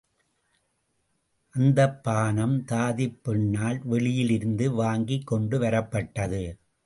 அந்தப் பானம் தாதிப் பெண்ணால் வெளியிலிருந்து வாங்கிக் கொண்டுவரப்பட்டது.